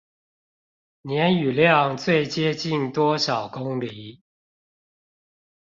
年雨量最接近多少公釐？